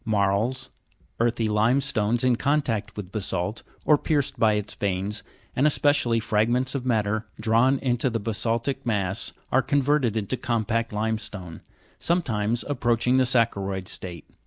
Marls, earthy limestones in contact with basa'lt, or pierced by its veins, and especially fragments of matter drawn into the basa'ltic mass, are converted into compact limestone, sometimes approach ing the saccharo'id state.